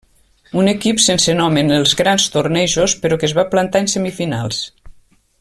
Un equip sense nom en els grans tornejos però que es va plantar en semifinals.